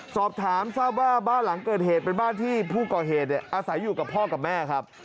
สอบถามทราบว่าบ้านหลังเกิดเหตุเป็นบ้านที่ผู้ก่อเหตุอาศัยอยู่กับพ่อกับแม่ครับ